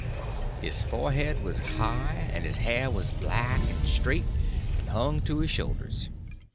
His forehead was high, and his hair was black and straight and hung to his shoulders.